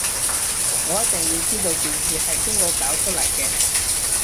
我一定要知道件事係邊個搞出嚟嘅